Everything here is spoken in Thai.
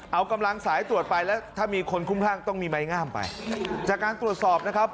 เอากำลังสายตรวจไปแล้วถ้ามีคนคุ้มข้างต้องมีไม้งามไปจากการตรวจสอบนะครับ